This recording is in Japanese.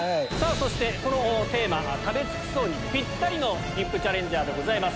このテーマ「食べ尽くそう」にピッタリのＶＩＰチャレンジャーでございます。